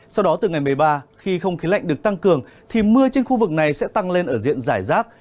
sau đó từ ngày một mươi ba khi không khí lạnh được tăng cường thì mưa trên khu vực này sẽ tăng lên ở diện giải rác